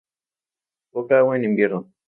Poca agua en invierno.